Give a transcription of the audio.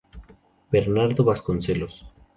Bernardo Vasconcelos